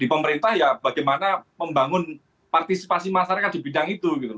di pemerintah ya bagaimana membangun partasi masyarakat di bidang itu gitu loh